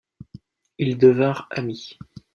Ils devinrent amis.